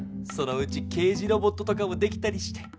そのうち刑事ロボットとかもできたりして。